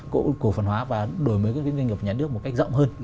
cổ phần hóa và đổi mới các doanh nghiệp nhà nước một cách rộng hơn